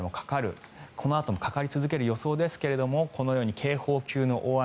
このあともかかり続ける予想ですがこのように警報級の大雨